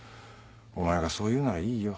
お前がそう言うならいいよ。